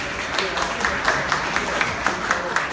ขอบคุณครับ